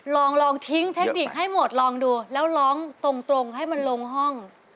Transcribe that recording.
ลองลองทิ้งเทคนิคให้หมดลองดูแล้วร้องตรงให้มันลงห้อง